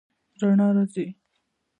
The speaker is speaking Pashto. رڼا راځي